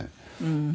うん。